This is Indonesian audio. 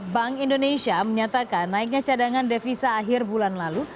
bank indonesia menyatakan naiknya cadangan devisa akhir bulan lalu